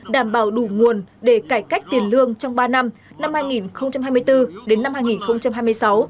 đảm bảo đủ nguồn để cải cách tiền lương trong ba năm năm hai nghìn hai mươi bốn